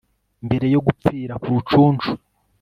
mbere yo gupfira ku rucunshu